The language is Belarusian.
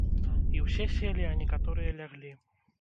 І ўсе селі, а некаторыя ляглі.